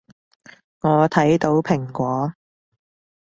我睇到蘋果